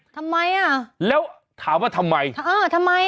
ทำไมอ่ะแล้วถามว่าทำไมเออทำไม